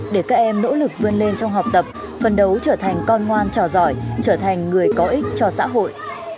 để các em nỗ lực vươn lên trong học tập phân đấu trở thành con ngoan trò giỏi trở thành người có ích cho xã hội